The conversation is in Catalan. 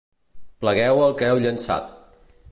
Plegueu el que heu llençat!